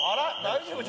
大丈夫？